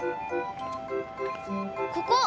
ここ！